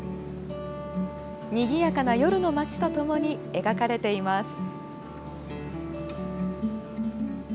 にぎやかな夜の街とともに描かれています。